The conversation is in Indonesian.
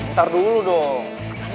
ntar dulu dong